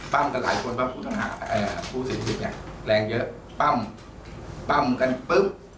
ปั้มกันหลายคนเพราะผู้สินคิดเนี่ยแรงเยอะปั้มปั้มกันปึ๊บ